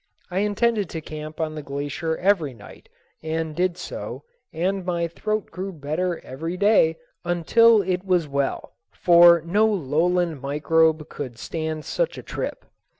I intended to camp on the glacier every night, and did so, and my throat grew better every day until it was well, for no lowland microbe could stand such a trip.